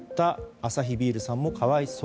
アサヒビールさんも可哀想。